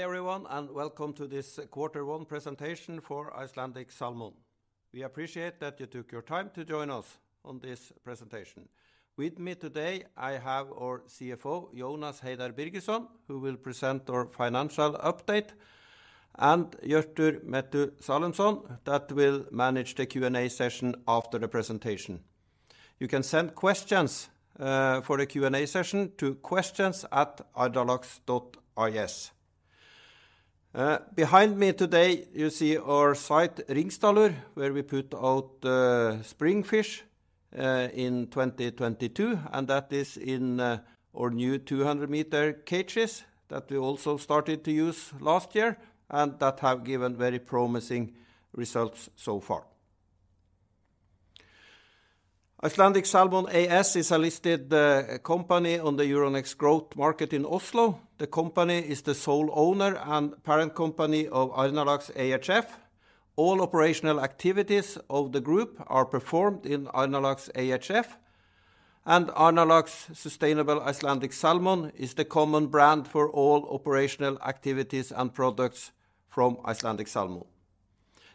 Everyone, welcome to this quarter one presentation for Icelandic Salmon. We appreciate that you took your time to join us on this presentation. With me today, I have our CFO, Jónas Heiðar Birgisson, who will present our financial update, and Hjörtur Methúsalemsson that will manage the Q&A session after the presentation. You can send questions for the Q&A session to questions@arnarlax.is. Behind me today you see our site, Hringsdalur, where we put out spring fish in 2022, and that is in our new 200 meter cages that we also started to use last year and that have given very promising results so far. Icelandic Salmon AS is a listed company on the Euronext Growth market in Oslo. The company is the sole owner and parent company of Arnarlax ehf. All operational activities of the group are performed in Arnarlax ehf and Arnarlax sustainable Icelandic Salmon is the common brand for all operational activities and products from Icelandic Salmon.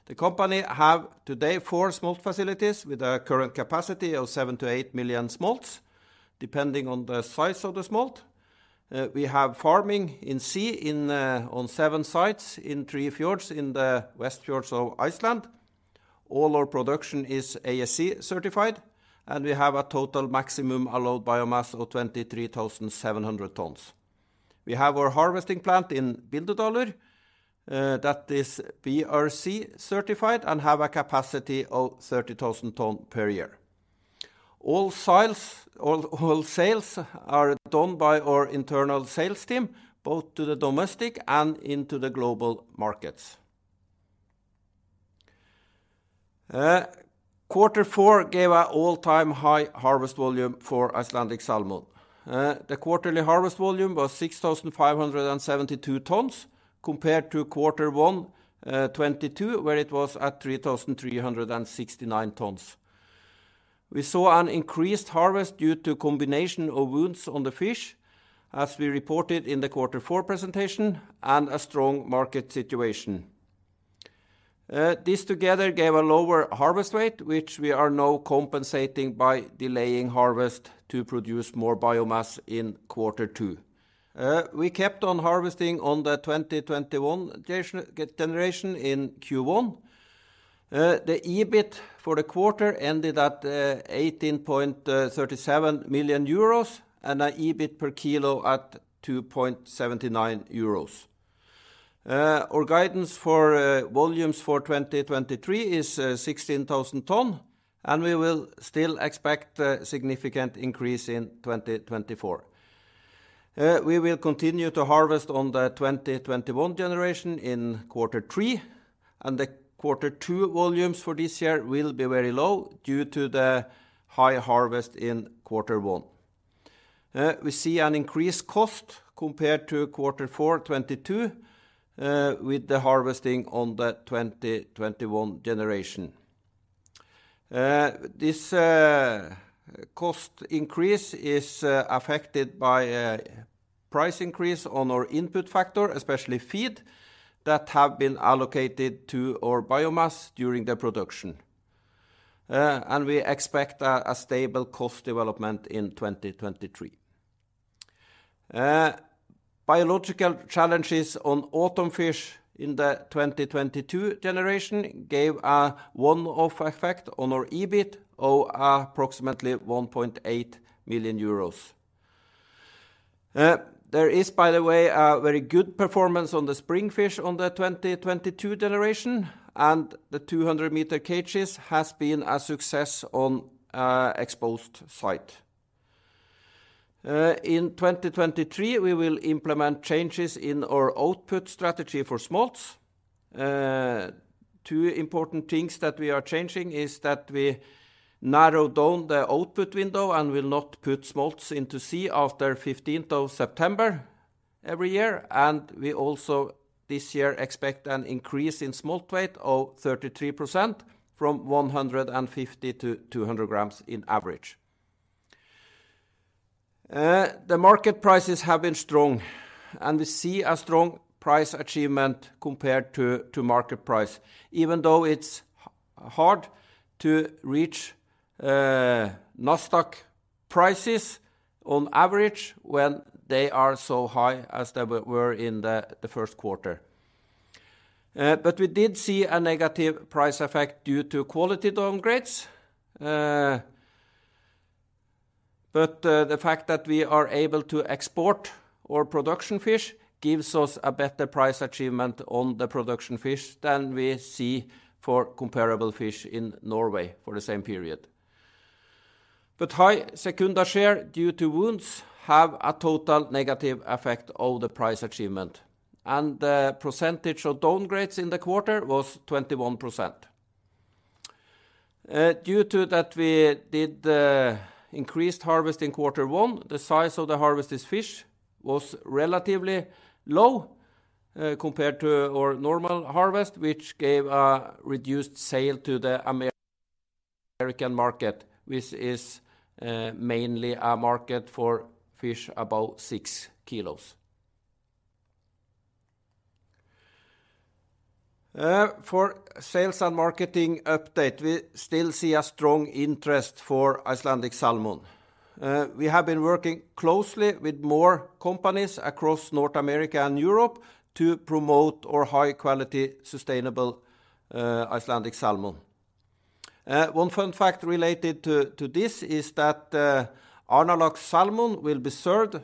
The company have today four smolt facilities with a current capacity of 7 million-8 million smolts, depending on the size of the smolt. We have farming in sea on seven sites in three fjords in the Westfjords of Iceland. All our production is ASC certified, and we have a total maximum allowed biomass of 23,700 tons. We have our harvesting plant in Bildudalur that is BRC certified and have a capacity of 30,000 ton per year. All sales are done by our internal sales team, both to the domestic and into the global markets. Quarter four gave a all-time high harvest volume for Icelandic Salmon. The quarterly harvest volume was 6,572 tons compared to quarter one 2022, where it was at 3,369 tons. We saw an increased harvest due to combination of wounds on the fish, as we reported in the quarter four presentation and a strong market situation. This together gave a lower harvest rate, which we are now compensating by delaying harvest to produce more biomass in quarter two. We kept on harvesting on the 2021 generation in Q1. The EBIT for the quarter ended at 18.37 million euros and an EBIT per kilo at 2.79 euros. Our guidance for volumes for 2023 is 16,000 ton and we will still expect a significant increase in 2024. We will continue to harvest on the 2021 generation in Q3, and the Q2 volumes for this year will be very low due to the high harvest in Q1. We see an increased cost compared to Q4 2022 with the harvesting on the 2021 generation. This cost increase is affected by a price increase on our input factor, especially feed, that have been allocated to our biomass during the production. We expect a stable cost development in 2023. Biological challenges on autumn fish in the 2022 generation gave a one-off effect on our EBIT of approximately 1.8 million euros. There is, by the way, a very good performance on the spring fish on the 2022 generation, and the 200 meter cages has been a success on exposed site. In 2023, we will implement changes in our output strategy for smolts. Two important things that we are changing is that we narrowed down the output window and will not put smolts into sea after 15th of September every year. We also this year expect an increase in smolt weight of 33% from 150 g to 200 g in average. The market prices have been strong, and we see a strong price achievement compared to market price. Even though it's hard to reach Nasdaq prices on average when they are so high as they were in the first quarter. We did see a negative price effect due to quality downgrades. The fact that we are able to export our production fish gives us a better price achievement on the production fish than we see for comparable fish in Norway for the same period. High sekunda share due to wounds have a total negative effect on the price achievement, and the percentage of downgrades in the quarter was 21%. Due to that, we did increased harvest in Q1. The size of the harvested fish was relatively low, compared to our normal harvest, which gave a reduced sale to the American market, which is mainly a market for fish about six kilos. For sales and marketing update, we still see a strong interest for Icelandic Salmon. We have been working closely with more companies across North America and Europe to promote our high quality sustainable Icelandic Salmon. One fun fact related to this is that Arnarlax Salmon will be served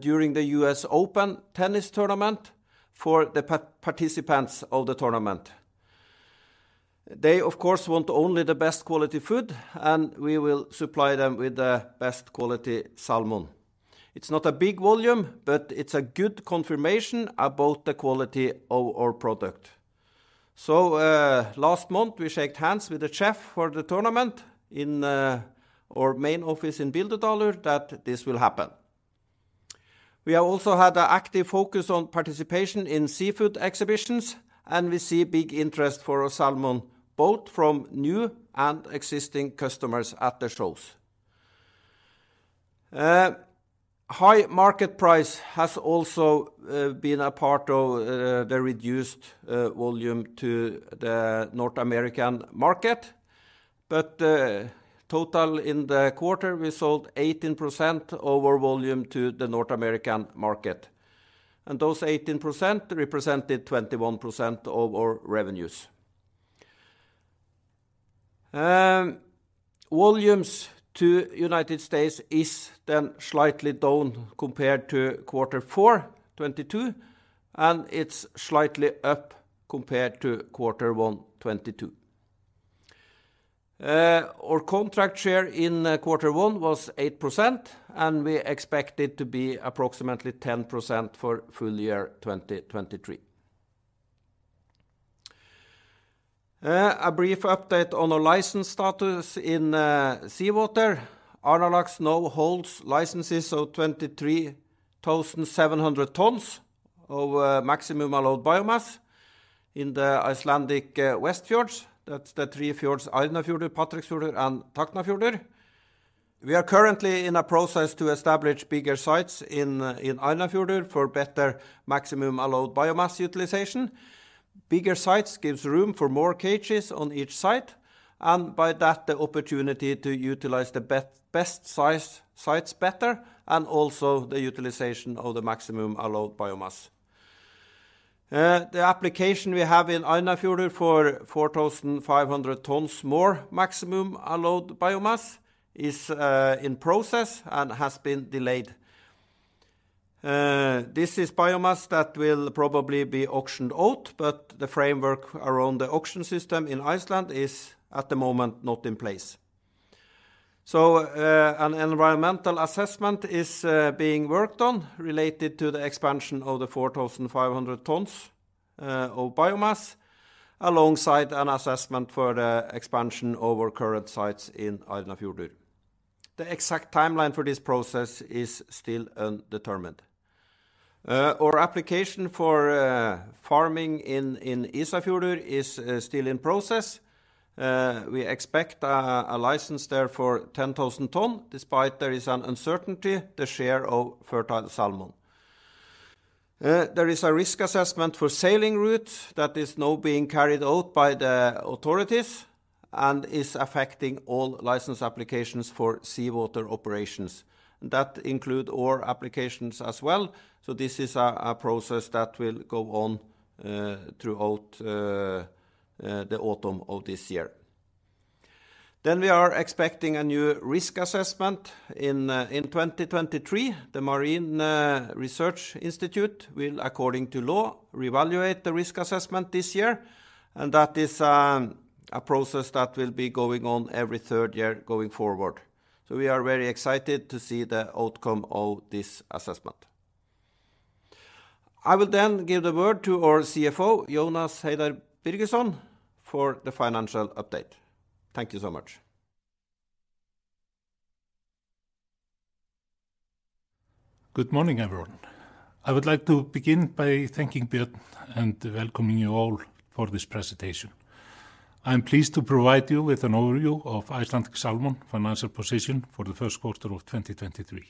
during the US Open tennis tournament for the participants of the tournament. They of course want only the best quality food, and we will supply them with the best quality salmon. It's not a big volume, but it's a good confirmation about the quality of our product. Last month we shaked hands with the chef for the tournament in our main office in Bildudalur that this will happen. We have also had an active focus on participation in seafood exhibitions, and we see big interest for our salmon, both from new and existing customers at the shows. High market price has also been a part of the reduced volume to the North American market, but total in the quarter, we sold 18% of our volume to the North American market, and those 18% represented 21% of our revenues. Volumes to United States is then slightly down compared to quarter four 2022, and it's slightly up compared to quarter one 2022. Our contract share in quarter one was 8%, and we expect it to be approximately 10% for full year 2023. A brief update on our license status in seawater. Arnarlax now holds licenses of 23,700 tons of Maximum Allowed Biomass in the Icelandic Westfjords. That's the three fjords, Ísafjörður, Patreksfjörður, and Tálknafjörður. We are currently in a process to establish bigger sites in Ísafjörður for better Maximum Allowed Biomass utilization. Bigger sites gives room for more cages on each site, by that the opportunity to utilize the best sites better and also the utilization of the Maximum Allowed Biomass. The application we have in Ísafjörður for 4,500 tons more Maximum Allowed Biomass is in process and has been delayed. This is biomass that will probably be auctioned out, the framework around the auction system in Iceland is, at the moment, not in place. An environmental assessment is being worked on related to the expansion of the 4,500 tons of biomass alongside an assessment for the expansion of our current sites in Ísafjörður. The exact timeline for this process is still undetermined. Our application for farming in Ísafjörður is still in process. We expect a license there for 10,000 tons, despite there is an uncertainty the share of fertile salmon. There is a risk assessment for sailing routes that is now being carried out by the authorities and is affecting all license applications for seawater operations. That include our applications as well, so this is a process that will go on throughout the autumn of this year. We are expecting a new risk assessment in 2023. The Marine Research Institute will, according to law, reevaluate the risk assessment this year, and that is a process that will be going on every third year going forward. We are very excited to see the outcome of this assessment. I will then give the word to our CFO, Jónas Heiðar Birgisson, for the financial update. Thank you so much. Good morning, everyone. I would like to begin by thanking Bjørn and welcoming you all for this presentation. I am pleased to provide you with an overview of Icelandic Salmon financial position for the first quarter of 2023.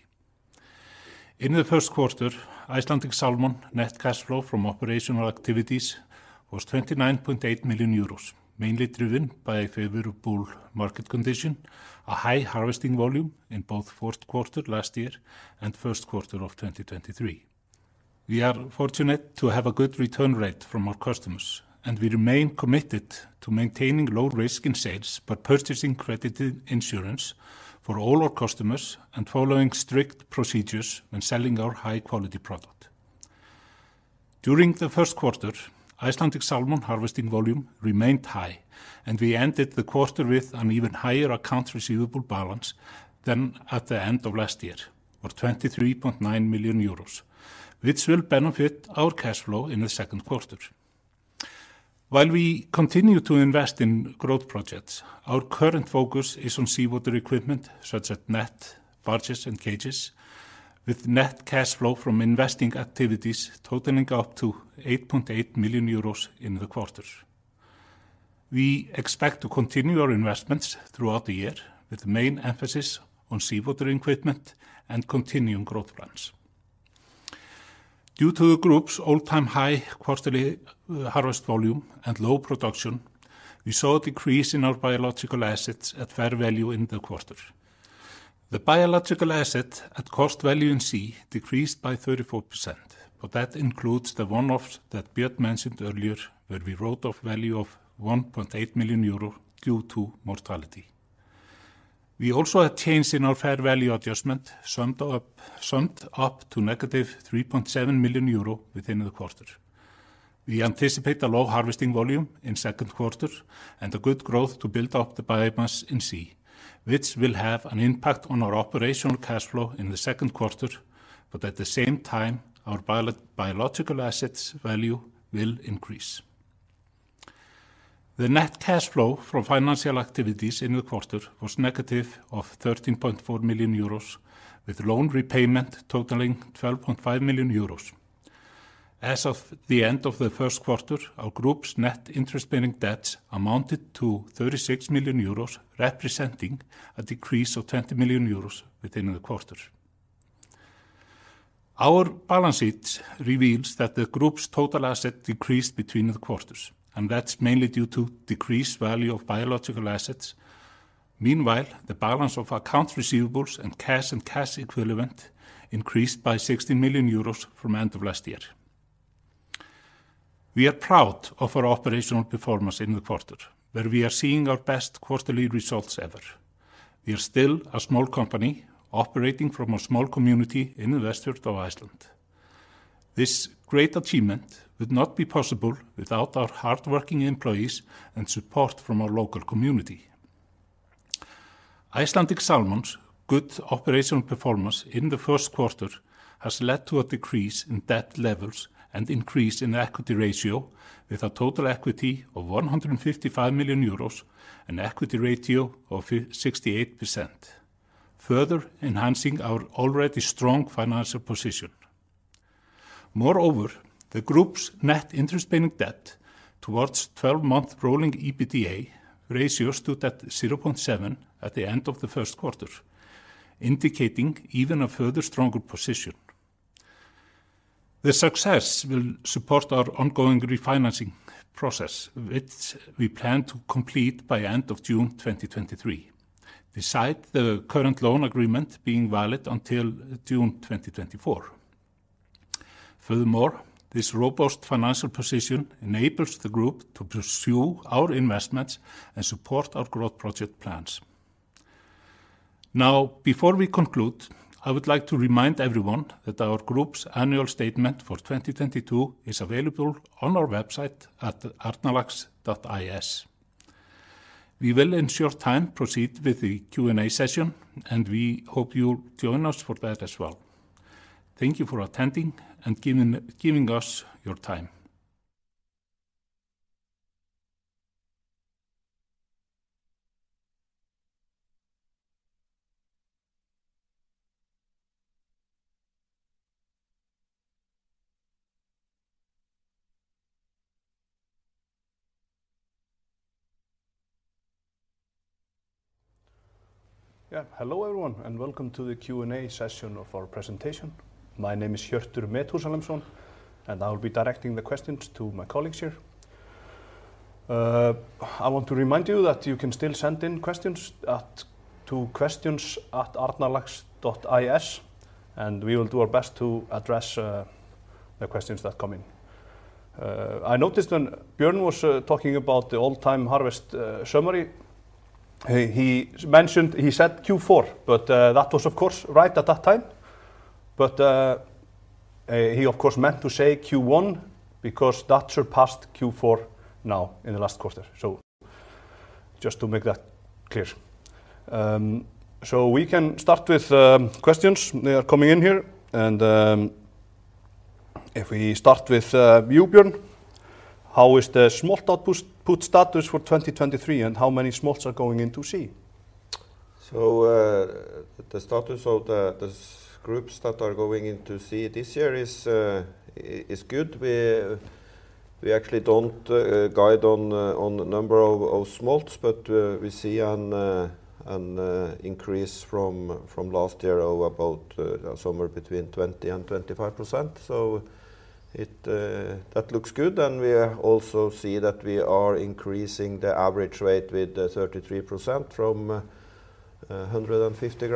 In the first quarter, Icelandic Salmon net cash flow from operational activities was 29.8 million euros, mainly driven by favorable market condition, a high harvesting volume in both fourth quarter last year and first quarter of 2023. We are fortunate to have a good return rate from our customers, and we remain committed to maintaining low risk in sales by purchasing credit insurance for all our customers and following strict procedures when selling our high quality product. During the first quarter, Icelandic Salmon harvesting volume remained high, and we ended the quarter with an even higher account receivable balance than at the end of last year, or 23.9 million euros, which will benefit our cash flow in the second quarter. While we continue to invest in growth projects, our current focus is on seawater equipment such as net, barges, and cages. With net cash flow from investing activities totaling up to 8.8 million euros in the quarter. We expect to continue our investments throughout the year, with the main emphasis on seawater equipment and continuing growth plans. Due to the group's all-time high quarterly harvest volume and low production, we saw a decrease in our biological assets at fair value in the quarter. The biological asset at cost value in sea decreased by 34%. That includes the one-offs that Bjørn Hembre mentioned earlier, where we wrote off value of 1.8 million euro due to mortality. We also had change in our fair value adjustment summed up to negative 3.7 million euro within the quarter. We anticipate a low harvesting volume in second quarter and a good growth to build up the biomass in sea, which will have an impact on our operational cash flow in the second quarter. At the same time, our biological assets value will increase. The net cash flow from financial activities in the quarter was negative of 13.4 million euros, with loan repayment totaling 12.5 million euros. As of the end of the first quarter, our group's net interest-bearing debts amounted to 36 million euros, representing a decrease of 20 million euros within the quarter. Our balance sheet reveals that the group's total asset decreased between the quarters. That's mainly due to decreased value of biological assets. Meanwhile, the balance of accounts receivables and cash and cash equivalent increased by 60 million euros from end of last year. We are proud of our operational performance in the quarter, where we are seeing our best quarterly results ever. We are still a small company operating from a small community in the Westfjords of Iceland. This great achievement would not be possible without our hardworking employees and support from our local community. Icelandic Salmon's good operational performance in the first quarter has led to a decrease in debt levels and increase in equity ratio, with a total equity of 155 million euros and equity ratio of 68%, further enhancing our already strong financial position. Moreover, the group's net interest-bearing debt towards 12-month rolling EBITDA ratio stood at 0.7 at the end of the first quarter, indicating even a further stronger position. The success will support our ongoing refinancing process, which we plan to complete by end of June 2023, beside the current loan agreement being valid until June 2024. Furthermore, this robust financial position enables the group to pursue our investments and support our growth project plans. Now, before we conclude, I would like to remind everyone that our group's annual statement for 2022 is available on our website at arnarlax.is. We will in short time proceed with the Q&A session, and we hope you'll join us for that as well. Thank you for attending and giving us your time. Hello, everyone, and welcome to the Q&A session of our presentation. My name is Hjörtur Methúsalemsson, and I'll be directing the questions to my colleagues here. I want to remind you that you can still send in questions to questions@arnarlax.is, and we will do our best to address the questions that come in. I noticed when Bjørn was talking about the all-time harvest summary, he said Q4, but that was of course right at that time. He of course meant to say Q1 because that surpassed Q4 now in the last quarter. Just to make that clear. We can start with questions. They are coming in here. If we start with, you, Bjørn, how is the smolt output status for 2023, and how many smolts are going into sea? The status of the groups that are going into sea this year is good. We actually don't guide on the number of smolts, we see an increase from last year of about somewhere between 20% and 25%. That looks good, and we also see that we are increasing the average weight with 33% from 150 g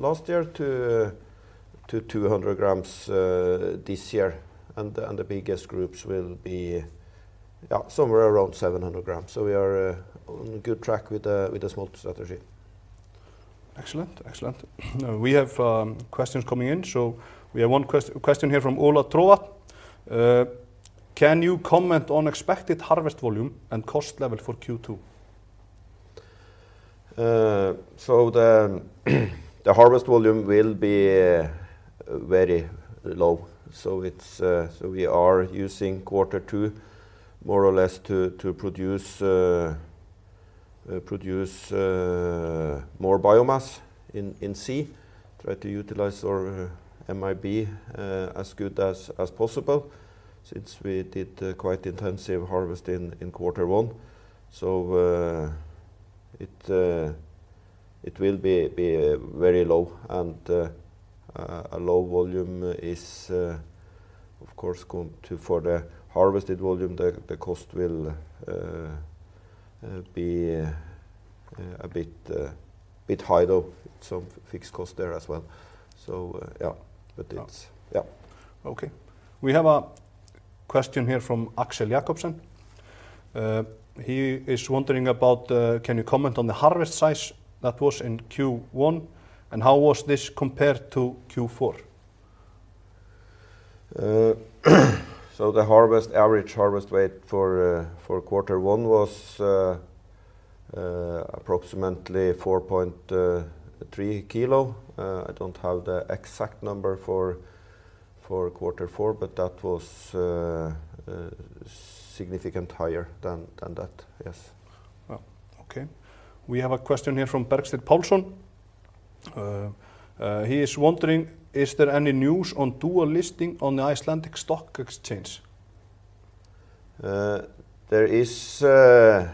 last year to 200 g this year. The biggest groups will be, yeah, somewhere around 700 g. We are on a good track with the smolt strategy. Excellent. Excellent. We have questions coming in. We have one question here from Olav Treit. Can you comment on expected harvest volume and cost level for Q2? The harvest volume will be very low. We are using quarter two more or less to produce more biomass in sea. Try to utilize our MAB as good as possible since we did a quite intensive harvest in quarter one. It will be very low. A low volume is of course going to... For the harvested volume the cost will be a bit high though, some fixed cost there as well. Yeah. It's- Yeah. Yeah. Okay. We have a question here from Axel Jacobsen. He is wondering about, can you comment on the harvest size that was in Q1, and how was this compared to Q4? The harvest, average harvest weight for quarter one was, approximately 4.3 kilo. I don't have the exact number for quarter four, but that was, significant higher than that. Yes. Yeah. Okay. We have a question here from Bergstein Pálsson. He is wondering, is there any news on dual listing on the Icelandic Stock Exchange? There is no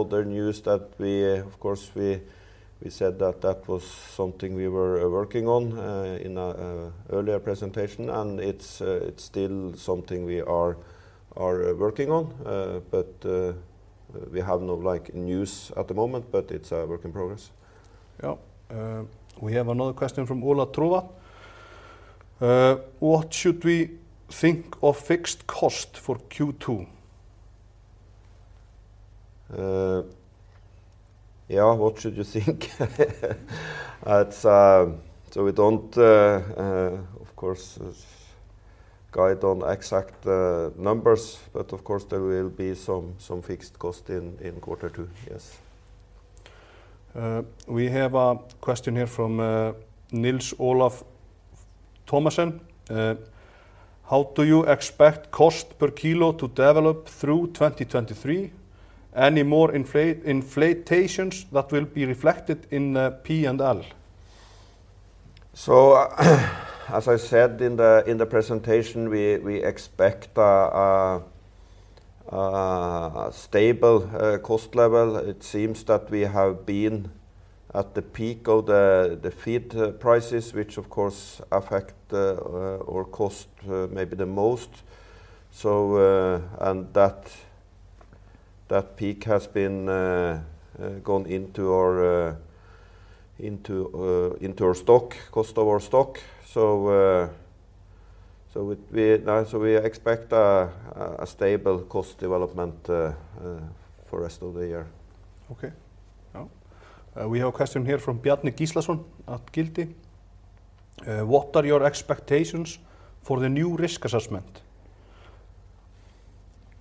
other news that we. Of course, we said that that was something we were working on, in an earlier presentation. It's still something we are working on. We have no, like, news at the moment, but it's a work in progress. Yeah. We have another question from Olav Troa. What should we think of fixed cost for Q2? Yeah. What should you think? That's. We don't, of course guide on exact numbers, but of course there will be some fixed cost in quarter two. Yes. We have a question here from Nils-Ole Kroeigaard. How do you expect cost per kilo to develop through 2023? Any more inflations that will be reflected in P&L? As I said in the presentation, we expect a stable cost level. It seems that we have been at the peak of the feed prices, which of course affect our cost maybe the most. That peak has been gone into our stock, cost of our stock. We expect a stable cost development for rest of the year. Okay. Yeah. We have a question here from Vilhjálmur Gíslason at Gildi. What are your expectations for the new risk assessment?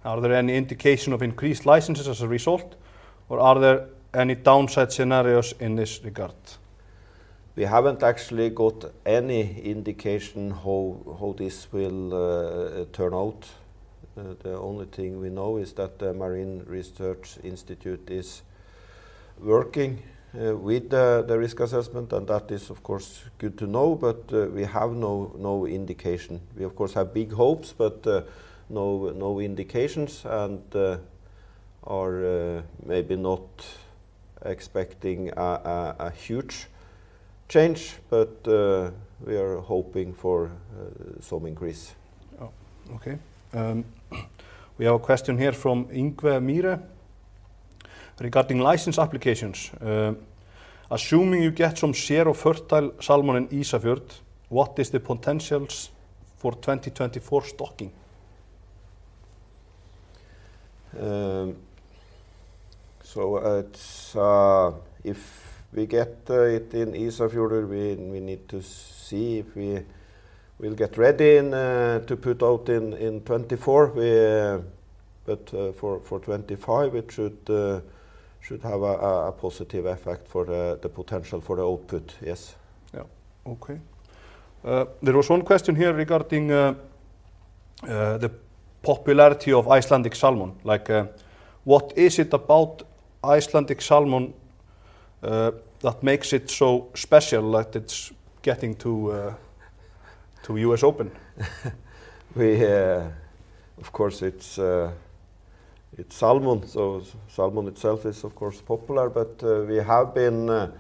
Are there any indication of increased licenses as a result, or are there any downside scenarios in this regard? We haven't actually got any indication how this will turn out. The only thing we know is that the Marine Research Institute is working with the risk assessment, and that is, of course, good to know. We have no indication. We of course have big hopes, but no indications and are maybe not expecting a huge change. We are hoping for some increase. Yeah. Okay. We have a question here from Yngve Myhre regarding license applications. Assuming you get some share of fertile salmon in Ísafjarðardjúp, what is the potentials for 2024 stocking? It's if we get it in Ísafjarðardjúp, we need to see if we will get ready and to put out in 2024. For 2025, it should have a positive effect for the potential for the output. Yes. Yeah. Okay. There was one question here regarding the popularity of Icelandic Salmon. Like, what is it about Icelandic Salmon that makes it so special that it's getting to U.S. Open? We. Of course, it's salmon. Salmon itself is of course popular. We have been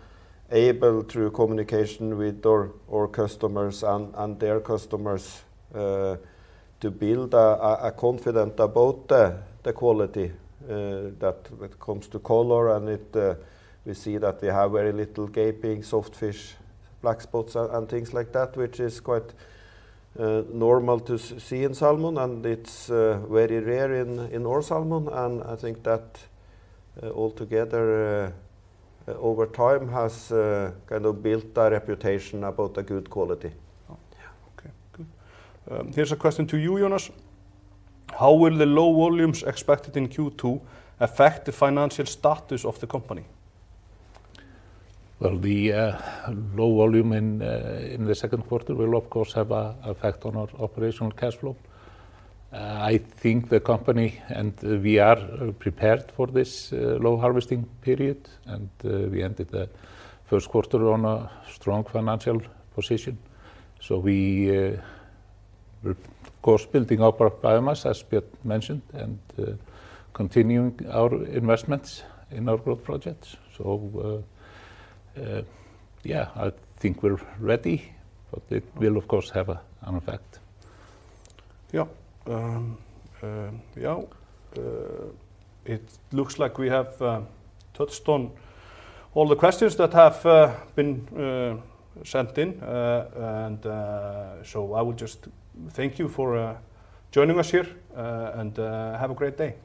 able, through communication with our customers and their customers, to build a confident about the quality, that when it comes to color and it, we see that they have very little gaping, soft fish, black spots and things like that, which is quite normal to see in salmon and it's very rare in our salmon. I think that, all together, over time has kind of built a reputation about the good quality. Yeah. Okay, good. Here's a question to you, Jónas. How will the low volumes expected in Q2 affect the financial status of the company? The low volume in the second quarter will of course have a effect on our operational cash flow. I think the company and we are prepared for this low harvesting period, and we ended the first quarter on a strong financial position. We, we're of course building up our biomass, as Bjørn mentioned, and continuing our investments in our growth projects. Yeah, I think we're ready, but it will of course have a an effect. Yeah. It looks like we have touched on all the questions that have been sent in. So I will just thank you for joining us here. Have a great day.